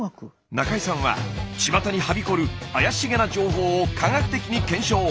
中井さんはちまたにはびこる怪しげな情報を科学的に検証。